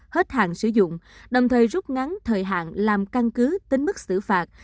hết hạn sử dụng đồng thời rút ngắn thời hạn làm căn cứ tính mức xứ phạt